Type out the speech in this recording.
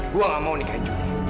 gua gak mau nikahin juli